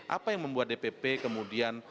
apa yang membuat dpp kemudian